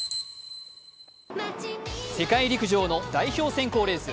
世界陸上の代表選考レース。